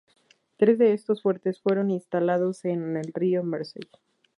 Tres de estos fuertes fueron instalados en el río Mersey.